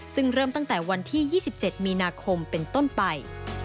ซึ่งเริ่มตั้งแต่วันที่๒๗มีนาคมเป็นต้นไป